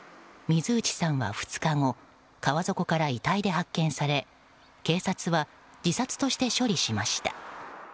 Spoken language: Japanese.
水内さんは２日後川底から遺体で発見され警察は自殺として処理しました。